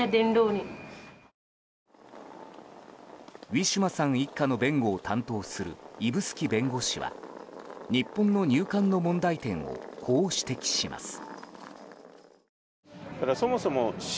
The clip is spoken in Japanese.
ウィシュマさん一家の弁護を担当する指宿弁護士は日本の入管の問題点をこう指摘します。